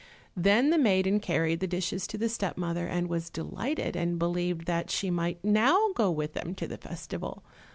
Then the maiden carried the dishes to the step mother and was delighted, and believed that she might now go with them to the festival.